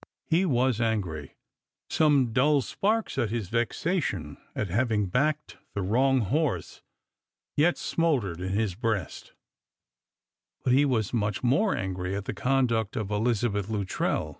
He was angry. Some dull sparks of his vexation at having backed the wrong horse yet smouldered in his breast ; but he was much more angry at the conduct of Elizabeth Luttrell.